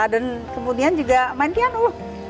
dan kemudian juga main piano